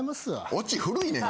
オチ古いねん。